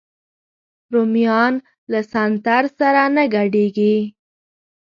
رومیان له سنتر سره نه ګډېږي